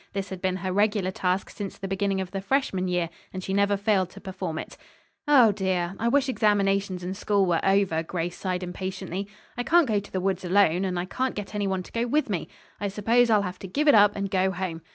This had been her regular task since the beginning of the freshman year, and she never failed to perform it. "Oh, dear, I wish examinations and school were over," Grace sighed impatiently. "I can't go to the woods alone, and I can't get any one to go with me. I suppose I'll have to give it up and go home.